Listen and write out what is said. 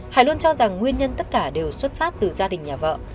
hải luôn cho rằng nguyên nhân tất cả đều xuất phát từ gia đình nhà vợ